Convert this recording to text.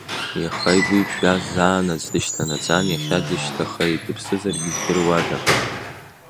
Иаха игәы иԥжәаз заанаҵ дышьҭанаҵан, иахьа дышьҭахеит, дыԥсызаргьы здыруада.